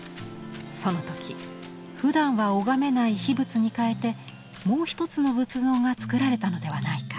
その時ふだんは拝めない秘仏に替えてもう一つの仏像がつくられたのではないか。